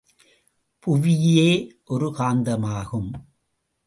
புவியே ஒரு காந்தமாகும்.